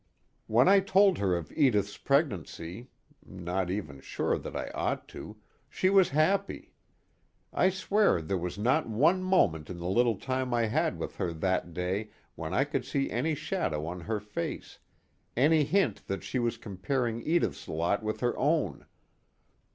When I told her of Edith's pregnancy (not even sure that I ought to) she was happy I swear there was not one moment in the little time I had with her that day when I could see any shadow on her face, any hint that she was comparing Edith's lot with her own.